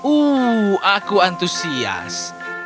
oh aku antusias